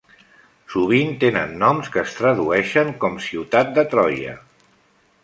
Sovint tenen noms que es tradueixen com "Ciutat de Troia".